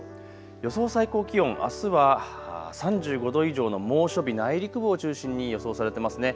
予想最高気温、あすは３５度以上の猛暑日、内陸部を中心に予想されていますね。